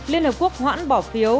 liên hợp quốc hoãn bỏ phiếu